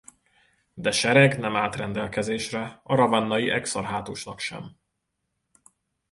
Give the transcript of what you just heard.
De sereg nem állt rendelkezésére a ravennai exarchátusnak sem.